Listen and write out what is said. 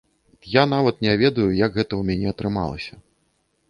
Я нават не ведаю, як гэта ў мяне атрымалася.